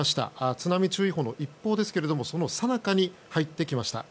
津波注意報の一報ですがそのさなかに入ってきました。